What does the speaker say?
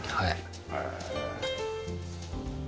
へえ。